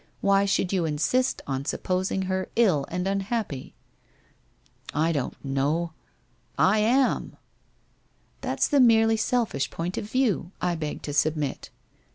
Why should you insist on supposing her ill and unhappy ?I don't know. I am/ ' That's the merely selfish point of view, I beg to submit.'